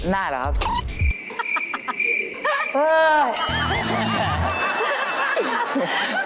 น่าหรือครับ